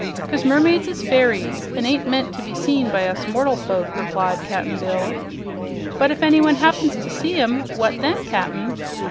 "'Cause mermaids is fairies, an' ain't meant to be seen by us mortal folk," replied Cap'n Bill. "But if anyone happens to see 'em, what then, Cap'n?"